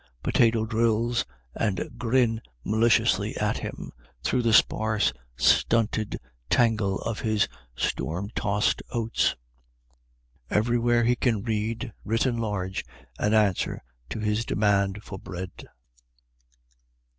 potato drills, and grin maliciously at him through the sparse, stunted tangly of his storm tossed oats. Everywhere he can read, written large, an answer to his demand for bread.